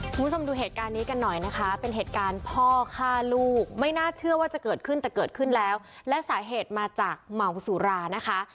คุณผู้ชมดูเหตุการณ์นี้กันหน่อยนะคะเป็นเหตุการณ์พ่อฆ่าลูกไม่น่าเชื่อว่าจะเกิดขึ้นแต่เกิดขึ้นแล้วและสาเหตุมาจากเมาสุรานะคะ